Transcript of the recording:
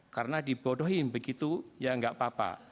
karena dibodohin begitu ya gak apa apa